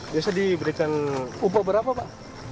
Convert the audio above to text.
biasa diberikan upah berapa pak